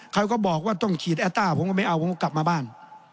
เขาก็บอกว่าต้องฉีดแอต้าผมก็ไม่เอาผมก็กลับมาบ้าน